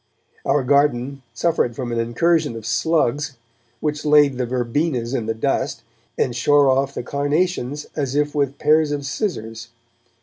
Our garden suffered from an incursion of slugs, which laid the verbenas in the dust, and shore off the carnations as if with pairs of scissors.